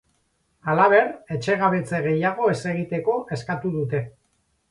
Halaber, etxegabetze gehiago ez egiteko eskatu dute.